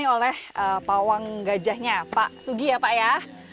ini oleh pawang gajahnya pak sugi ya pak ya